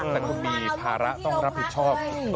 แต่คุณมีภาระต้องรับผิดชอบ